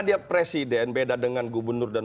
dia presiden beda dengan gubernur dan